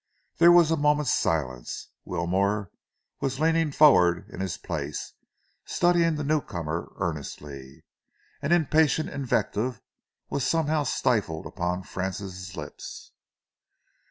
There was a moment's silence. Wilmore was leaning forward in his place, studying the newcomer earnestly. An impatient invective was somehow stifled upon Francis' lips.